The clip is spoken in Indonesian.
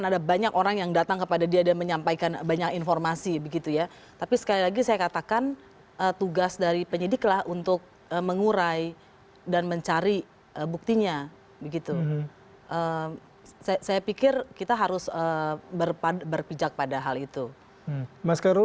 ada tanggapan terkait ini mbak